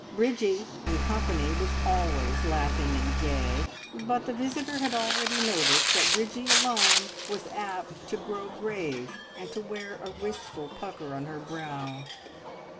Bridgie in company was always laughing and gay, but the visitor had already noticed that Bridgie alone was apt to grow grave and to wear a wistful pucker on her brow.